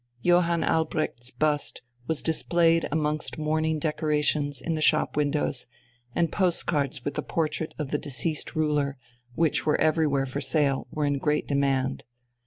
Johann Albrecht's bust was displayed amongst mourning decorations in the shop windows, and postcards with the portrait of the deceased ruler, which were everywhere for sale, were in great demand.